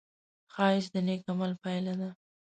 ښایست د نېک عمل پایله ده